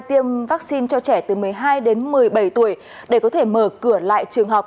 tiêm vaccine cho trẻ từ một mươi hai đến một mươi bảy tuổi để có thể mở cửa lại trường học